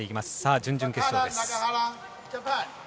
準々決勝です。